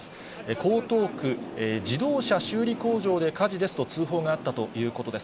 江東区自動車修理工場で火事ですと通報があったということです。